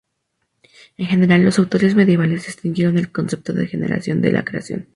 En general, los autores medievales distinguieron el concepto de generación del de creación.